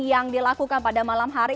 yang dilakukan pada malam hari